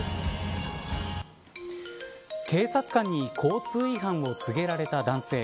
警察官に交通違反を告げられた男性。